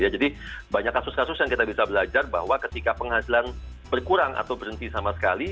jadi banyak kasus kasus yang kita bisa belajar bahwa ketika penghasilan berkurang atau berhenti sama sekali